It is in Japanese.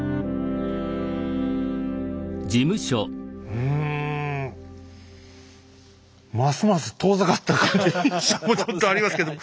うんますます遠ざかった印象もちょっとありますけども。